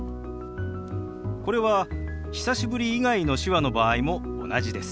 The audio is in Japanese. これは「久しぶり」以外の手話の場合も同じです。